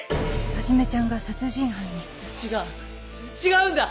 はじめちゃんが殺人犯に違う違うんだ！